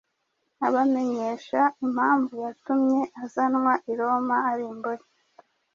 abamenyesha impamvu yatumye azanwa i Roma ari imbohe.